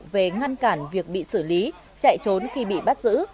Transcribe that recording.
về ngăn cản việc bị xử lý chạy trốn khi bị bắt giữ